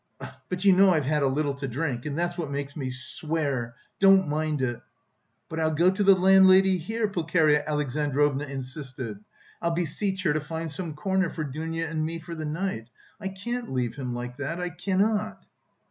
But you know I've had a little to drink, and that's what makes me... swear; don't mind it...." "But I'll go to the landlady here," Pulcheria Alexandrovna insisted, "I'll beseech her to find some corner for Dounia and me for the night. I can't leave him like that, I cannot!"